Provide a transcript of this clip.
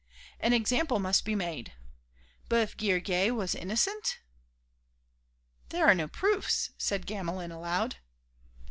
An example must be made. But if Guillergues was innocent...? "There are no proofs," said Gamelin, aloud.